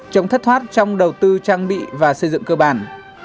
chống thất thoát trong đầu tư trang bị và xây dựng cơ bản